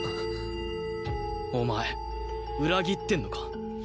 お前裏切ってんのか？